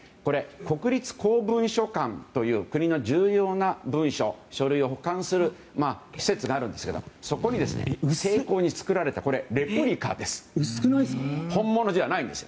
国立公文書館という国の重要な文書書類を保管する施設があるんですけどそこに精巧に作られたレプリカがあるんです。